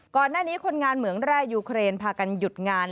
ก่อนหน้านี้คนงานเหมืองแร่ยูเครนพากันหยุดงาน